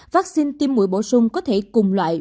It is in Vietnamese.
vaccine tiêm mũi bổ sung có thể cùng loại